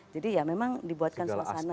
jadi ya memang dibuatkan suasana yang betul